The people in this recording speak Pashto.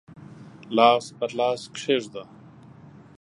لاس پر لاس کښېږده